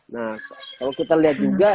nah kalau kita lihat juga